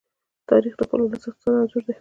تاریخ د خپل ولس د اقتصاد انځور دی.